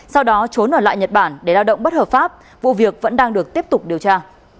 sau đó trốn ở lại nhật bản để lao động bất hợp pháp vụ việc vẫn đang được tiếp tục điều tra